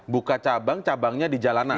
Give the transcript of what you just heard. buka cabang cabangnya di jalanan